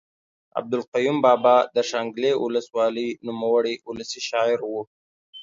عبدالقیوم بابا د شانګلې اولس والۍ نوموړے اولسي شاعر ؤ